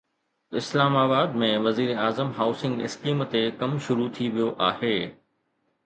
اسلام آباد ۾ وزيراعظم هائوسنگ اسڪيم تي ڪم شروع ٿي ويو آهي